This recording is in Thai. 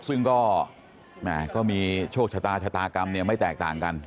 ซึ่งก็มีโชคชะตาชะตากรรมเนี่ยไม่แตกต่างกัน